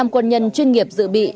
năm quân nhân chuyên nghiệp dự bị